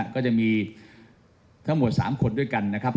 ก็จะมีทั้งหมด๓คนด้วยกันนะครับ